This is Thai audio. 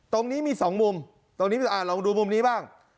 ตรงนี้มีสองมุมตรงนี้ลองดูมุมนี้บ้าง